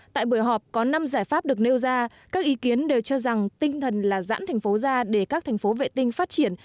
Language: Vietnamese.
tại buổi họp có năm giải pháp được nêu ra các ý kiến đều cho rằng tinh thần là giãn thành phố ra để các thành phố vệ tinh phát triển